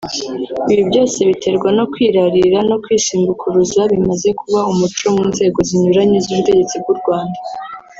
Ibi byose biterwa no kwirarira no kwisumbukuruza bimaze kuba umuco mu nzego zinyuranye z’ubutegetsi bw’u Rwanda